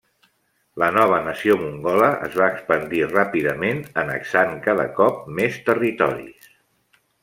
La nova nació mongola es va expandir ràpidament annexant cada cop més territoris.